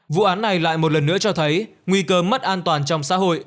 vụ án này lại một lần nữa cho thấy nguy cơ mất an toàn trong xã hội